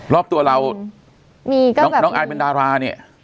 รอบตัวเราน้องอายเป็นดาราเนี่ย